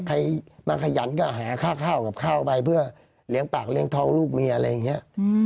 ใครมาขยันก็หาค่าข้าวกับข้าวไปเพื่อเลี้ยงปากเลี้ยงท้องลูกเมียอะไรอย่างนี้